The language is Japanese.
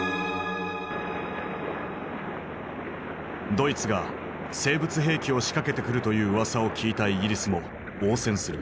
ドイツが生物兵器を仕掛けてくるといううわさを聞いたイギリスも応戦する。